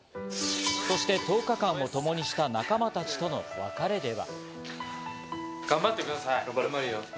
そして１０日間をともにした仲間たちとの別れでは。